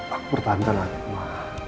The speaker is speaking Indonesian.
aku bertahankan lagi ma